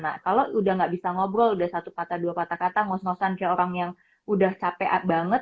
nah kalau udah gak bisa ngobrol udah satu kata dua kata kata ngos ngosan kayak orang yang udah capek banget